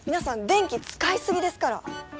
電気使い過ぎですから！